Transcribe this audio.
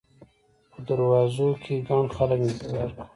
په دروازو کې ګڼ خلک انتظار کاوه.